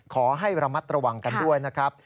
ขอให้ระมัดระวังกันด้วยนะครับ